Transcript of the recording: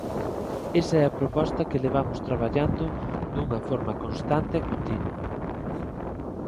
Esa é a proposta que levamos traballando dunha forma constante e continua.